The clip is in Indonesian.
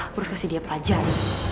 gue harus kasih dia pelajar